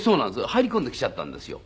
入り込んできちゃったんですよ。